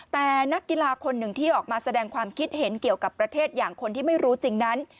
แต่นักกีฬาคนหนึ่งที่ออกมาแสดงความคิดเห็นเกี่ยวกับประเทศอย่างคนที่ไม่รู้จริงนั้น